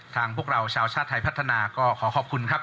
พวกเราชาวชาติไทยพัฒนาก็ขอขอบคุณครับ